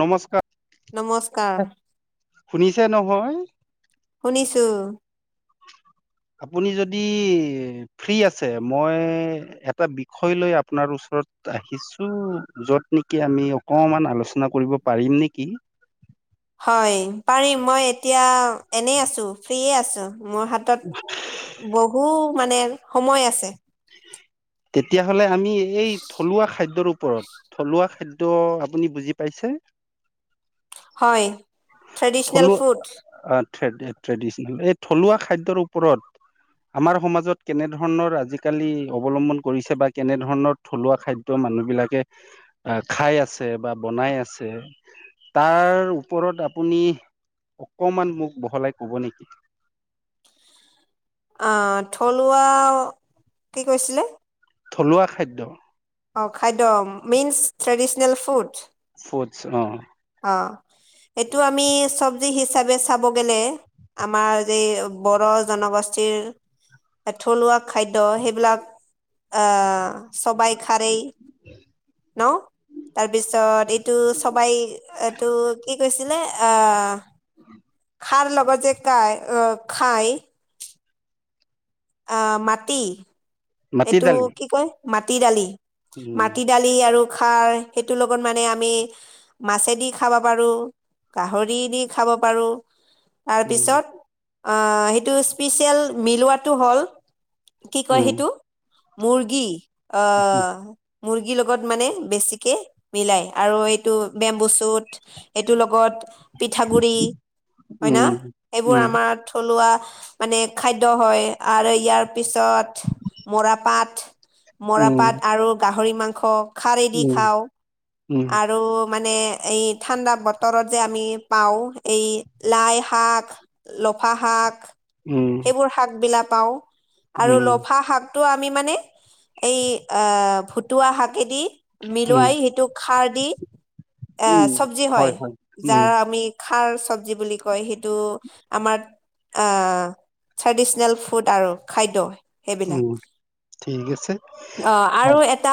নমস্কাৰ নমস্কাৰ শুনিছে নহয়। শুনিছো আপুনি যদি ফ্ৰী আছে মই এটা বিষয় লৈ আপোনাৰ ওচৰত। আহিছো যত নেকি আমি অকমান আলোচনা কৰিব পাৰিম নেকি? হয় পাৰিম মই এতিয়া এনেই আছো ফ্ৰী আছো মোৰ হাতত বহু মানে সময় আছে। তেতিয়াহ'লে আমি এই থলুৱা খাদ্যৰ ওপৰত, থলুৱা খাদ্য আপুনি বুজি পাইছে? হয় ট্ৰেডিশনেল ফুড। টেড টেড ট্ৰেডিছনেল এই থলুৱা খাদ্যৰ ওপৰত আমাৰ সমাজত কেনে ধৰণৰ আজিকালি অৱলম্বন কৰিছে বা কেনে ধৰণৰ থলুৱা খাদ্য মানুহ বিলাকে খাই আছে বা বনাই আছে, তাৰ ওপৰত আপুনি অকমান মোক বহলাই কব নেকি? আহ থলুৱা কি কৈছিলে? থলুৱা খাদ্য। অঁ খাদ্য মেইনচ ট্ৰেডিচনেল ফুড। অ অ। অ এইটো আমি চবজি হিচাপে চাব গেলে আমাৰ যে বড় জনগোষ্ঠীৰ থলুৱা খাদ্য সেইবিলাক আহ চবাই খাৰেই ন, তাৰপিছত এইটো চবাই এইটো কি কৈছিলে অ খাৰ লগত যে কাই অ খাই অ মাটি, মাটি এইটো দালি কি কয় মাটি দালি উম মাটি দালি আৰু খাৰ সেইটোৰ লগত মানে আমি মাছেদি খাব পাৰো গাহৰি দি খাব পাৰো উম তাৰপিছত সেইটো স্পেচিয়েল মিলোৱাটো হ'ল কি কয় উম সেইটো মুৰ্গী আহ মুৰ্গীৰ লগত মানে বেছিকে মিলাই, আৰু এইটো বেম্বু চুট এইটোৰ লগত পিঠাগুৰি হয় ন উম এইবোৰ উম আমাৰ থলুৱা মানে খাদ্য হয় আৰু ইয়াৰ পিছত মৰাপাট, উম মৰাপাট আৰু গাহৰি মাংস। খাৰদি উম খাওঁ উম আৰু মানে এই ঠাণ্ডা বতৰত যে আমি পাওঁ এই লাই শাক লফা শাক, উম সেইবোৰ শাক বিলাক পাওঁ আৰু উম লফা শাক তো আমি মানে এই আ ফুতুৱা শাকেদি উম মিলুৱাই সেইটো খাৰ দি এ চবজি হয় যাৰ আমি খাৰ চবজি বুলি কয় সেইটো আমাৰ আহ ট্ৰেডিচনেল ফুড আৰু খাদ্য সেইবিলাক উম ঠিক আছে অ। আৰু এটা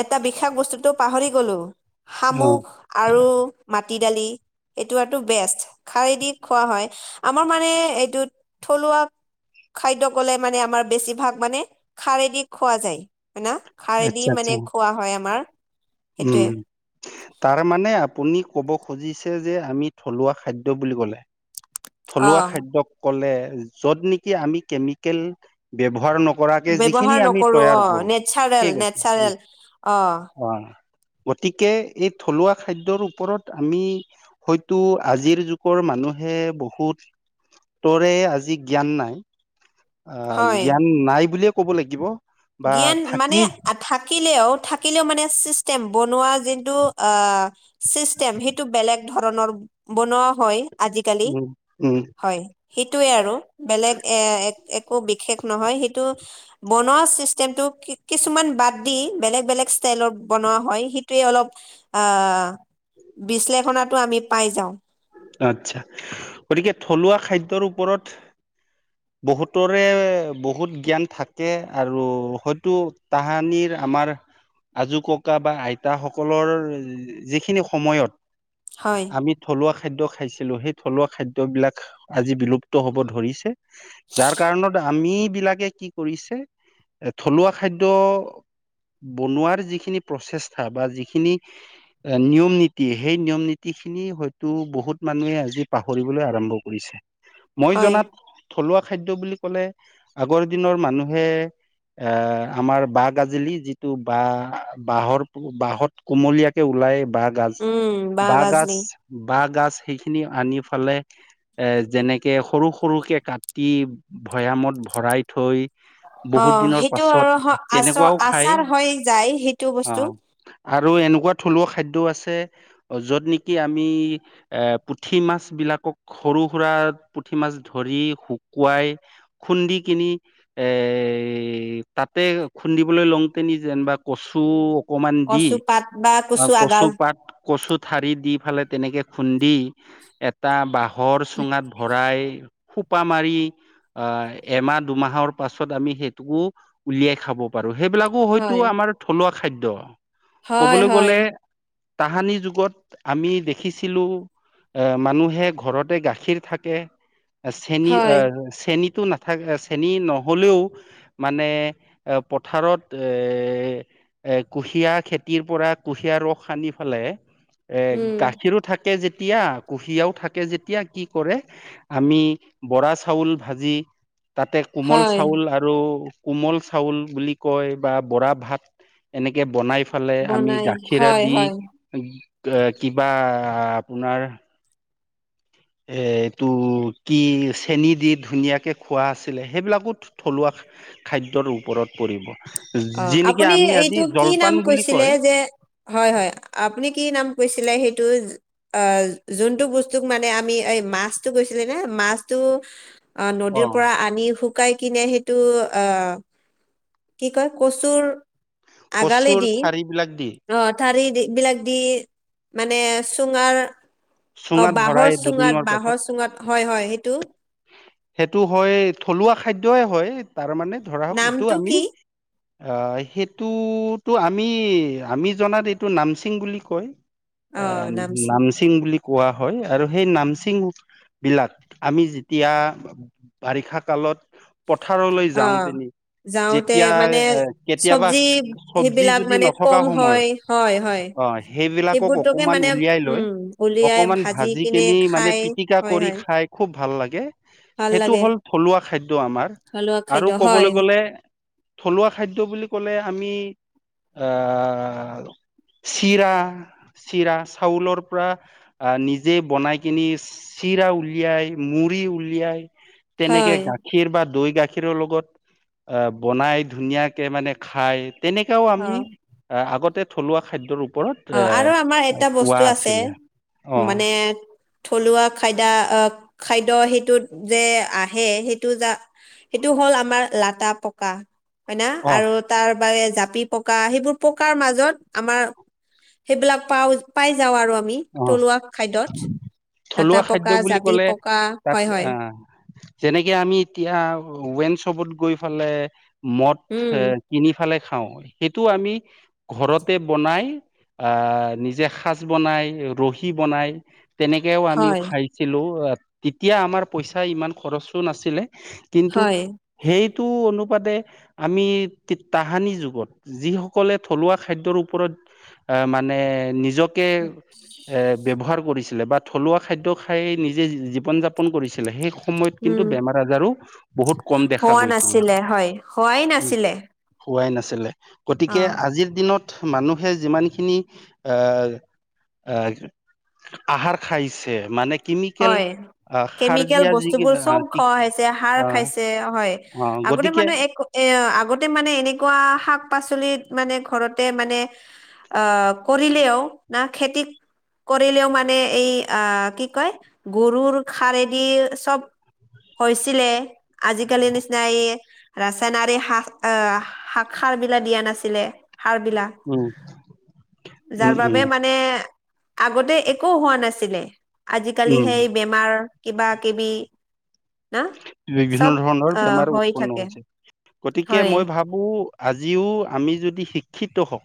এটা বিশষ বস্তুটো পাহৰি গলো, অ শামুক আৰু মা টি দালি এইটো আটো বেষ্ট, খায় দি খোৱা হয়, আমাৰ মানে এইটো থলুৱা ৱা, খাদ্য কলে মানে আমাৰ বেছিভাগ মানে খাৰেদি খোৱা যায় হয়না খাৰেদি আচ্ছা মানে আচ্ছা খোৱা হয় আমাৰ। সেইটোয়ে উম, তাৰ মানে আ পুনি ক'ব খুজিছে যে আমি থলুৱা খাদ্য বুলি ক'লে অ থলুৱা খাদ্যক কলে যত নেকি আমি কেমিকেল ব্যৱহাৰ নক কৰাকে যিখিনি ব্যৱহাৰ আমি নকৰো তৈয়াৰ অ কৰোঁ নেচাৰেল ঠিক আছে নেচাৰেল অ অ। গতিকে এই থলুৱা খাদ্যৰ ওপৰত আমি হয়তো আজিৰ যুগৰ মানুহ মানুহে বহু হুতৰে আজি জ্ঞান নাই আহ হয় জ্ঞান নাই বুলিয়ে ক'ব লাগিব। বা জ্ঞান মানে থাকি থাকে সেইয়াও থাকিলোঁ মানে চিষ্টেম বনোৱা জিনটো চিষ্টেম সেইটো বেলেগ ধ ৰণৰ বনোৱা হয় আজিকালি উম, উম, হয়। সেই টোই আৰু বেলেগ এ একো বিশষ নহয় সেইটো বনোৱা চিছ কিছুমান বাদ দি বেলেগ বেলেগ ষ্টতাইলত বনুৱা হয়। অলপ আহ বিশ্লেষণটো আমি পাই যাওঁ। আচ্ছা গতিকে থলুৱা খাদ্যয়ৰ ওপৰত বহুতৰে বহুত জ্ঞান থাকে আৰু হয়তো তাহানিৰ। আমাৰ আজো ককা বা আইতা সকলৰ যিখিনি সময়ত। হয় আমি থলুৱা খাদ্য খাইছিলো সেই থলুৱা খাদ্য বিলাক আজি বিলুপ্ত হব ধৰিছে যাৰ কাৰণত। আম বিলাকে কি কৰিছে এ থলুৱা খাদ্য। বনোৱাৰ যিখিনি প্ৰচেষ্টা বা যিখিনি নিয়ম নীতি সেই নিয়ম নীতি খিনি হয়তো বহুত মানুহে আজি পাহৰিবলৈ আৰম্ভ কৰিছে মই হয় জনাত থলুৱা খাদ্যা বুলি ক'লে আগৰ দিনৰ মানুহে এ আমাৰ বাঁহ গাজুলী যিটো বাঁ বাঁহৰ বাঁহত কুমলীয়াকে ওলাই। বা গাজ উম বাঁহ বা গাজ। গাজলি বাঁহ গাজ সেইখিনি আনি পেলাই এ যেনেকে সৰু সৰুকে কাটি ভৈয়ামত ভৰাই থৈ [unintelligible] অ বহুত দিনৰ সেইটো পাছত আৰু হ- আচ তেনেকুৱাও খাই আচাৰ হৈ যায় সেইটো অ বস্তু [unintelligible] আৰু এনেকুৱা থলুৱা খাদ্য আছে য'ত নেকি [unintelligible] তুমি এ পুথি মাছবিলাক খুব সৰু সুৰা পুথি মাছ ধৰি শুকোৱা [unintelligible] [unintelligible] খুন্দি কিনি এই তাতে খুন্দিবলৈ লওঁতে [unintelligible] যেনিবা কচু [unintelligible] অকনমান দি কচু পাত বা অ কচু আগাল কচুপাত, কচু ঠাৰি দি ফেলাই তেনেকে খুন্দি [unintelligible] এটা বাঁহৰ চুঙাত ভৰাই [unintelligible] সোপা মাৰি আহ এমাহ দুমাহৰ পাছত আমি সেইটোকো উলিয়াই খাব পাৰো [unintelligible] সেইবিলাকো হয়তো হয় আমাৰ থলুৱা খাদ্য হয় কবলৈ হয় গলে [unintelligible] তাহানি যুগত [unintelligible] আমি দেখিছিলো এ মানুহে ঘৰতে গাখীৰ থাকে [unintelligible] হয় চেনীৰ-চেনীতে [unintelligible] নাথাকে চেনী নহ'লেও মানে পথাৰত এ [unintelligible] এ কুঁহিয়াৰ খেতিৰ পৰা কুঁহিয়াৰ ৰস সানি পেলাই এ উম গাখীৰো থাকে [unintelligible] থাকে যেতিয়া কুঁহিয়াৰও থাকে যেতিয়া কি কৰে আমি বৰা চাউল ভাজি [unintelligible] তাতে কোমল হয় চাউল আৰু [unintelligible] কোমল-চাউল বুলি কয় বা বৰা ভাত এনেকে বনাই [unintelligible] [unintelligible] ফালে আমি বনাই গাখীৰে হয় দি হয় এ কিবা আপোনাৰ [unintelligible] এইটো [unintelligible] কি চেনি দি ধুনীয়াকৈ খোৱা আছিলে সেইবিলাকো থলুৱা খাদ্যৰ ওপৰত [unintelligible] পৰিব [unintelligible] অ যি নেকি আপুনি আমি আজি এইটো কি জলপান নাম বুলি কৈছিলে কয় যে [unintelligible] হয়-হয় আপুনি কি নাম কৈছিলে সেই [unintelligible] [unintelligible] যোনটো বস্তু মানে আমি এই মাছটো গৈছিলে ন মাছটো [unintelligible] আহ অ নদীৰ পৰা আনি শুকাই কিনে সেইটো আহ [unintelligible] কি কয় কচুৰ আগালি কচুৰ দি ঠাৰিবিলাক দি অঁ ঠাৰি [unintelligible] [unintelligible] বিলাক দি মানে চুঙাৰ অ চুঙাত ভৰাই বাঁহৰ দুদিনৰ চুঙাত, পাছত বাঁহৰ চুঙাত হয়-হয় সেইটো [unintelligible] সেইটো হয় থলুৱা খাদ্যই হয় তাৰমানে ধৰা হওক এইটো নামটো আমি কি [unintelligible] আহ সেইটোতো আমি-আমি জনাত এইটো নামচিং বুলি কয় [unintelligible] অ এ নামছিল নামসিং বুলি [unintelligible] কোৱা হয় আৰু সেই নামচিংবিলাক আমি যেতিয়া বাৰিষা কালত [unintelligible] পথাৰলৈ অ যাওঁ তেনে [unintelligible] যাওঁতে যেতিয়া মানে এ কেতিয়াবা চব্জি চব্জি সেইবিলাক যদি মানে নথকা কম হয় সময়ত হয় হয় [unintelligible] অ সেইবিলাক সেইবোৰকে অকনমান মানে উলিয়াই লৈ উম [unintelligible] উলিয়াই অকনমান ভাজি কিনে কিনি মানে খাই পিটিকা হয় কৰি হয় খাই খুব ভাল লাগে ভাল সেইটো লাগে হ'ল থলুৱা খাদ্য আমাৰ থলুৱা আৰু খাদ্য হয় ক'বলৈ গলে থলুৱা খাদ্য বুলি ক'লে আমি আহ চিৰা-চিৰা চাউলৰ পৰা আহ নিজে বনাই কিনি চিৰা উলিয়াই, মুড়ি উলিয়াই তেনেকে হয় গাখীৰ বা দৈ গাখীৰৰ লগত অ বনাই ধুনীয়াকে মানে খাই তেনেকাও অ আমি আগতে থলুৱা খাদ্যৰ ওপৰত অ এ আৰু আমাৰ এটা পোৱা বস্তু আছে আছিলে অ মানে থলুৱা খাদ্য আহ খাদ্য সেইটোত যে আহে সেইটো যা সেইটো হ'ল আমাৰ লাটা পকা হয় না অ আৰু তাৰ বাবে জাপি পকা সেইবোৰ পকাৰ মাজত আমাৰ সেইবিলাক পাও পাই যাওঁ আৰু আমি অ থলুৱা খাদ্যত লাটা থলুৱা খাদ্য পকা বুলি জাপি ক'লে পকা তাত হয় হয় আহ যেনেকে আমি এতিয়া ৱাইন চপত গৈ পেলায় ল মদ উম কিনি খাওঁ সেইটো আমি ঘৰতে বনাই আহ নিজে সাজ বনাই ৰহি বনাই তেনেকেও আমি হয় খাইছিলোঁ তেতিয়া আমাৰ পইচা ইমান খৰচো নাছিলে কিন্তু হয় সেইটো অনুপাতে আমি তাহানি যুগত যি সকলে থলুৱা খাদ্যৰ ওপৰত মানে নিজক উ এ ব্যৱহাৰ কৰিছিলে বা থলুৱা খাদ্য খাই নিজে জীৱন যাপন কৰিছিলে সেই সময়ত কিন্তু উম, বেমাৰ আজাৰো বহুত কম দেখা হোৱা গৈছিলে নাছিলে হয়, হোৱাই উ নাছিলে হোৱাই নাছিলে গতিকে অ', আজিৰ দিনত মানুহে যিমানখিনি এ অ আহাৰ খাইছে মানে কেমিকেল হয় আহ সাৰ কেমিকেল দিয়া যি বস্তুবোৰ চব আহ কি খোৱা হৈছে সাৰ আহ খাইছে হয় অ আগতে গতিকে মানে এক এ আগতে মানে এনেকোৱা শাক পাচলিত মানে ঘৰতে মানে আহ কৰিলেও না খেতি কৰিলেও মানে এই আহ কি কয় গৰুৰ হাৰেদি চব হৈছিলে আজিকালিৰ নিচিনা এই ৰাসায়ানিক সাৰ আহ সাৰ বিলাক দিয়া নাছিলে সাৰ বিলাক উম উম যাৰ বাবে উম মানে আগতে একো হোৱা নাছিলে আজিকালি উম সেই বেমাৰ কিবা কিবি না বিভিন্ন চব ধৰণৰ আহ বেমাৰ উৎপন্ন হৈ থাকে হৈছে গতিকে হয় মই ভাবো আজিও আমি যদি শিক্ষিত হওঁ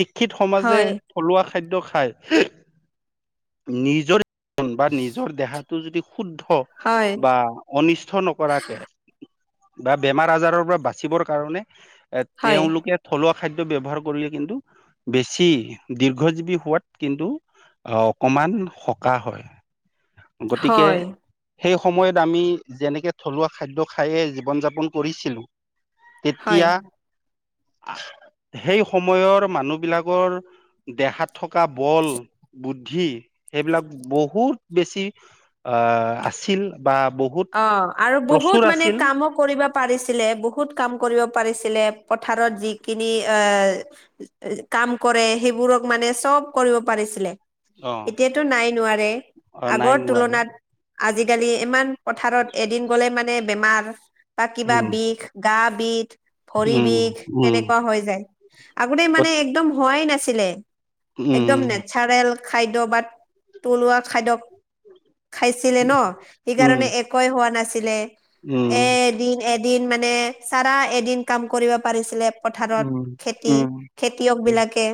শিক্ষিত সমাজে হয় থলুৱা খাদ্য খায় নিজৰ বা নিজৰ দেহাটো যদি শুদ্ধ হয় বা অনিষ্ট নকৰাকে বা বেমাৰ আজাৰৰ পৰা বাচিবৰ কাৰণে এ হয় তেওঁলোকে থলুৱা খাদ্য ব্যৱহাৰ কৰিলে কিন্তু বেছি দীৰ্ঘ জীৱী হোৱাত কিন্তু আহ অকণমান সকাহ হয় গতিকে হয় সেই সময়ত আমি যেনেকে থলুৱা খাদ্য খায়ে জীৱন যাপন কৰিছিলোঁ হয় তেতিয়া সেই সময়ৰ মানুহ বিলাকৰ দেহাত থকা বল বুদ্ধি সেইবিলাক বহুত বেছি আহ আছিল বা বহু অ আৰু বহুত মানে কামো কৰিব পাৰিছিলে বহুত কাম কৰিব পাৰিছিল পথাৰত যিখিনি আহ কাম কৰে সেইবোৰক মানে চব কৰিব পাৰিছিলে অ এতিয়াতো নাই নোৱাৰে অ নাই আগৰ নোৱাৰা তুলনাত আজিকালি ইমান পথাৰত এদিন গলে মানে বেমাৰ বা কিবা উম বিষ গা বিষ। ভৰি উম বিষ উম তেনেকুৱা হৈ যায় আগতে মানে একদম হোৱাই নাছিলে। উম একদম নেচাৰেল খাদ্য বা থলুৱা খাদ্য। খাইছিলে ন উম সেইকাৰণে একোৱেই হোৱা নাছিলে উম এদিন। এদিন মানে চাৰা এদিন কাম কৰিব পাৰিছিলে। পথাৰত উম খেতি উম খেতিয়ক বিলাকে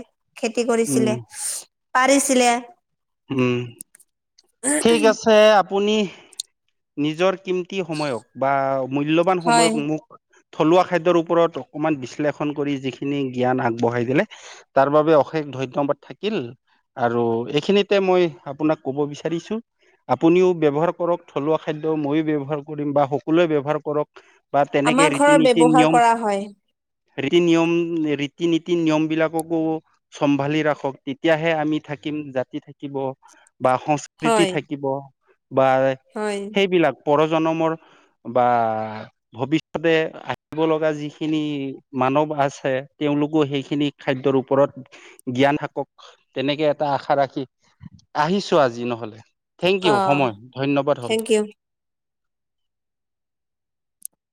খেতি উম কৰিছিলে পাৰিছিলে। [unintelligible] উম। ঠিক আছে আপুনি নিজৰ কিনতি সময়ক বা। মূল্যবান হয় সময়ক মোক। থলুৱা খাদ্যৰ ওপৰত অকণমান বিশ্লেষণ কৰি যিখিনি জ্ঞান আগবঢ়াই দিলে তাৰ বাবে অশেষ। ধন্যবাদ থাকিল। আৰু এইখিনিতে মই আপোনাক কব বিচাৰিছো আপুনিও ব্যৱহাৰ কৰক। থলুৱা খাদ্য ময়ো ব ব্যৱহাৰ কৰিম বা সকলোৱে ব্যৱহাৰ কৰক। বা আমাৰ তেনেকে ঘৰত ৰীতি নীতি ব্যৱহাৰ নিয়ম। কৰা হয় ৰীতি নিয়ম ৰীতি নীতি নিয়ম বিলাককো চম্ভালি ৰাখক তেতিয়াহে, আমি থাকি জাতি থাকিব বা সংস্কৃতি হয় থাকিব বা হয়। পৰজনমৰ বা ভৱিষ্যতে আহিব লগা যিখিনি মা মানৱ আছে তেওঁলোকো সেইখিনি খাদ্যয়ৰ ওপৰত জ্ঞান থাকক। তেনেকে এটা আশা ৰাখি আহিছো আজি নহলে থেংক অ ইউ সময় ধন্যবাদ হ থেংক ইউ